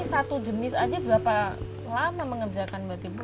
ini satu jenis aja berapa lama mengerjakan mbak tibur